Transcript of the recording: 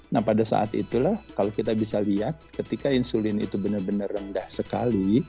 nah pada saat itulah kalau kita bisa lihat ketika insulin itu benar benar rendah sekali